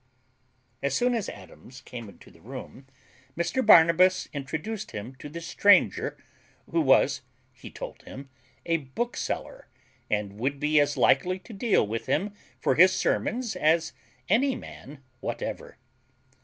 _ As soon as Adams came into the room, Mr Barnabas introduced him to the stranger, who was, he told him, a bookseller, and would be as likely to deal with him for his sermons as any man whatever.